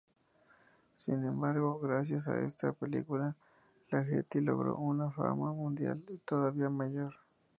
Sin embargo, gracias a esta película Ligeti logró una fama mundial todavía mayor.